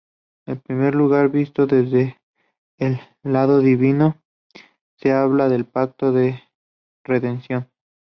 En primer lugar, visto desde el lado divino, se habla del pacto de redención.